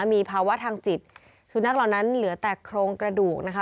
มีภาวะทางจิตสุนัขเหล่านั้นเหลือแต่โครงกระดูกนะคะ